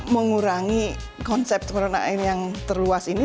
mengurangi konsep corona yang terluas ini